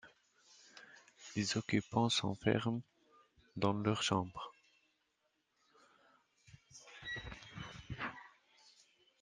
Les occupants s'enferment dans leur chambre.